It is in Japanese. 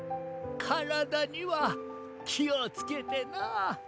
からだにはきをつけてなあ。